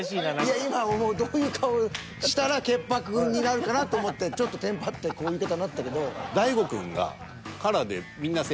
今どういう顔したら潔白になるかなと思ってちょっとテンパってこういう言い方になったけど。